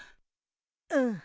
うん。